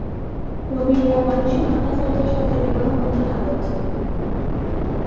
প্রবীর রায় মানসী ভট্টাচার্যের সাথে বিবাহবন্ধনে আবদ্ধ।